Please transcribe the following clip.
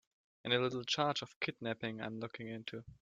And a little charge of kidnapping I'm looking into.